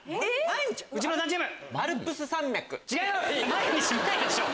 毎日見ないでしょ